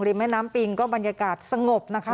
แม่น้ำปิงก็บรรยากาศสงบนะคะ